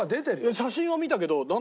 写真は見たけど。